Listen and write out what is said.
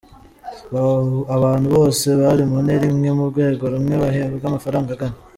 Abantu bose bari mu ntera imwe, mu rwego rumwe bahembwa amafaranga angana.